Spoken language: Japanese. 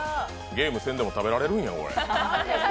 ゲームせんでも食べられるんや。